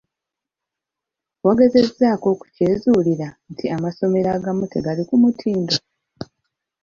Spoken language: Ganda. Wagezezzaako okukyezuulira nti amasomero agamu tegali ku mutindo?